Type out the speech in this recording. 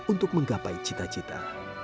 untuk menggapai cita cita